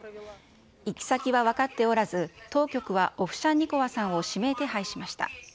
行き先は分かっておらず、当局はオフシャンニコワさんを指名手配しました。